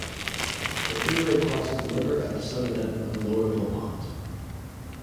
The freeway crosses the river at the southern end of Lower Mill Pond.